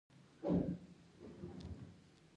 په افغان وطن کې دم او قدم د حساب تابع وو.